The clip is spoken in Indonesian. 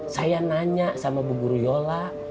saya nanya sama bu guru yola